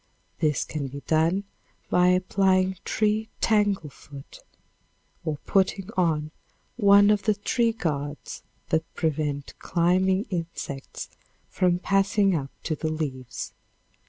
This can be done by applying tree tanglefoot, or putting on one of the tree guards that prevent climbing insects from passing up to the leaves.